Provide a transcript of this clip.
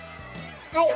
はい！